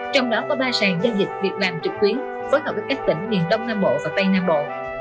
trong đó có ba sàn giao dịch việc làm trực tuyến phối hợp với các tỉnh miền đông nam bộ và tây nam bộ